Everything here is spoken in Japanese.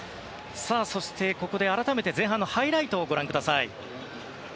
そして、ここで改めて前半のハイライトをご覧ください。